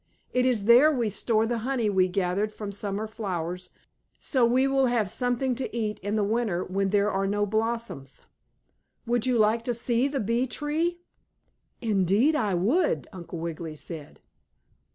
It is there we store the honey we gather from Summer flowers, so we will have something to eat in the Winter when there are no blossoms. Would you like to see the bee tree?" "Indeed, I would," Uncle Wiggily said.